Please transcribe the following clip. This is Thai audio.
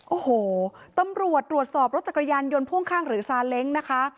โอ้โหตำรวจตรวจสอบรถจักรยานยนต์พ่วงข้างหรือซาเล้งนะคะ